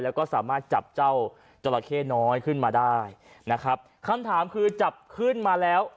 แล้วก็สามารถจับเจ้าจราเข้น้อยขึ้นมาได้นะครับคำถามคือจับขึ้นมาแล้ว